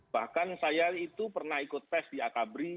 bahkan saya itu pernah ikut tes di akabri